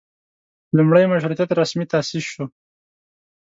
لومړۍ مشروطیت رسمي تاسیس شو.